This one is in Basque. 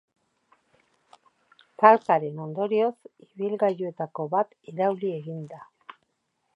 Talkaren ondorioz, ibilgailuetako bat irauli egin da.